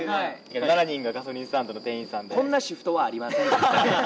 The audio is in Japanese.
７人がガソリンスタンドの店こんなシフトはありません。